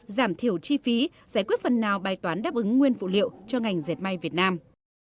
giảm thiểu chi phí giải quyết phần nào bài toán đáp ứng nguyên phụ liệu cho ngành dệt may việt nam